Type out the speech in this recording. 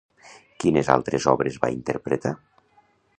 Quines altres obres va interpretar?